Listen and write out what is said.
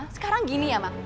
sekarang gini ya ma